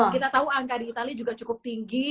kita tahu angka di itali juga cukup tinggi